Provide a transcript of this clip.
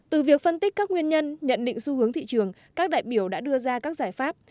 từ việc phân tích các nguyên nhân nhận định xu hướng thị trường các đại biểu đã đưa ra các giải pháp